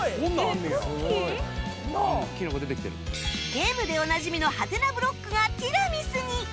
ゲームでおなじみのハテナブロックがティラミスに！